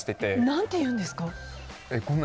何て言うんですか？